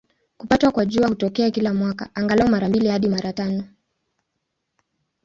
Kupatwa kwa Jua hutokea kila mwaka, angalau mara mbili hadi mara tano.